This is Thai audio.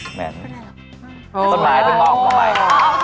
สมัยถึงออกมาใหม่